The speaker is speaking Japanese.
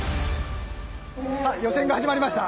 さあ予選が始まりました。